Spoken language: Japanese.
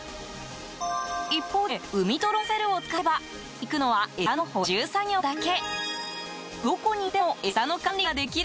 一方でウミトロンセルを使えば生簀に行くのは餌の補充作業だけ。